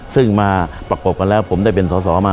ซึ่งมาประกบกันแล้วผมได้เป็นสอสอมา